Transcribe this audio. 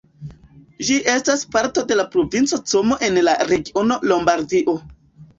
Ĝi estas parto de la provinco Como en la regiono Lombardio.